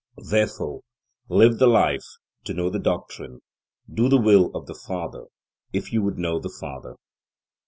Therefore live the life, to know the doctrine; do the will of the Father, if you would know the Father.